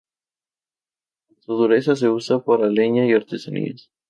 Por su dureza se usa para leña y artesanías.